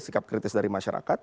sikap kritis dari masyarakat